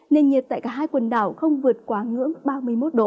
nền nhiệt tại cả hai quần đảo không vượt quá ngưỡng ba mươi một độ